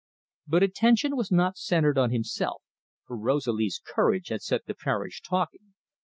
But attention was not centred on himself, for Rosalie's courage had set the parish talking.